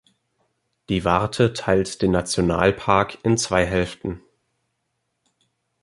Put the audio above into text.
Die Warthe teilt den Nationalpark in zwei Hälften.